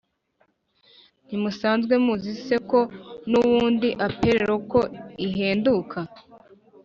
ntimusanzwe muzi se ko n’ubundi appel local ihenduka ?